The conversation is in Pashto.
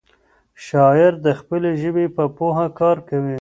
شاعر د خپلې ژبې په پوهه کار کوي.